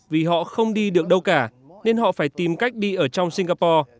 vì họ không đi được đâu cả nên họ phải tìm cách đi ở trong singapore